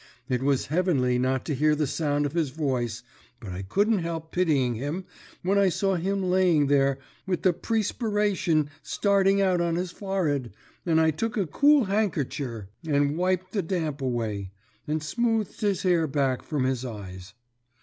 It was heavenly not to hear the sound of his voice, but I couldn't help pitying him when I saw him laying there, with the prespiration starting out of his forehead, and I took a cool handkercher and wiped the damp away, and smoothed his hair back from his eyes.